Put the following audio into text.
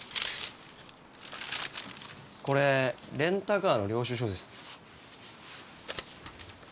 これレンタカーの領収書です。